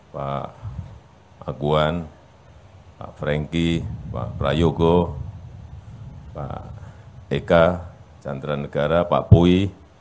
pak aguan pak frenki pak prayogo pak eka cantranegara pak pui